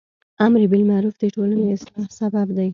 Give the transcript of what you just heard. امر بالمعروف د ټولنی اصلاح سبب دی.